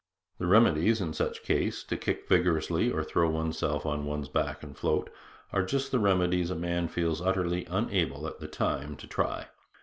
The remedies in such a case to kick vigorously or throw oneself on one's back and float are just the remedies a man feels utterly unable at the time to try.